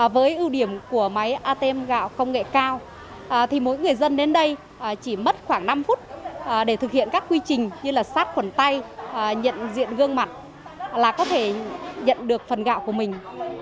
với ưu điểm của máy atm gạo công nghệ cao thì mỗi người dân đến đây chỉ mất khoảng năm phút để thực hiện các quy trình như sát khuẩn tay nhận diện gương mặt là có thể nhận được phần gạo của mình